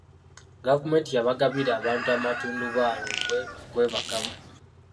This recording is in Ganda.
Gavumenti yabagabira abantu amatundubaali okwebakamu.